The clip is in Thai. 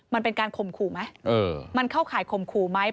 มันเป็นการข่มขู่ไหมมันเข้าข่ายข่มขู่ไหม